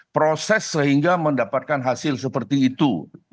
proses sehingga mendapatkan hasil seperti itu